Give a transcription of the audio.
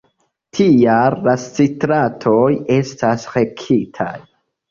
Tial la stratoj estas rektaj.